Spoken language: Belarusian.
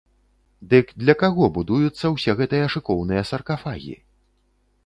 Дык для каго будуюцца ўсе гэтыя шыкоўныя саркафагі?